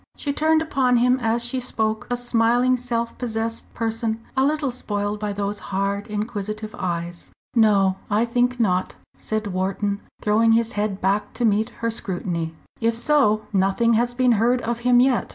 She turned upon him as she spoke a smiling, self possessed person a little spoilt by those hard, inquisitive eyes. "No, I think not," said Wharton, throwing his head back to meet her scrutiny. "If so, nothing has been heard of him yet.